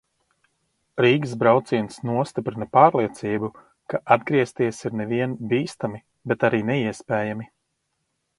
Rīgas brauciens nostiprina pārliecību, ka atgriezties ir nevien bīstami, bet arī neiespējami.